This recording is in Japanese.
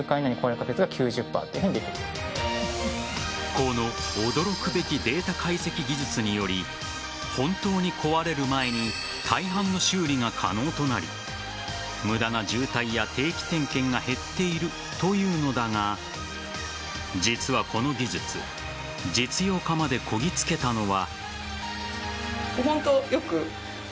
この驚くべきデータ解析技術により本当に壊れる前に大半の修理が可能となり無駄な渋滞や定期点検が減っているというのだが実はこの技術実用化までこぎつけたのは。